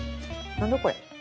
何だこれ？